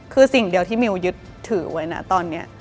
คือสิ่งเดียวที่มิวยึดถือไว้นะตอนนี้